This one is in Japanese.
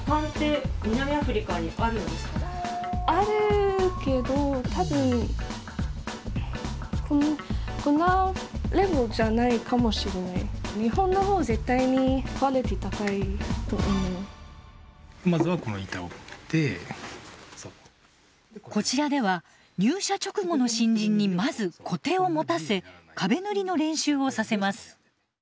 あるけど多分こちらでは入社直後の新人にまずコテを持たせ壁塗りの練習をさせます。